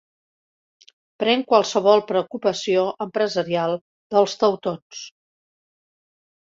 Pren qualsevol preocupació empresarial dels teutons.